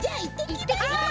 いってきます。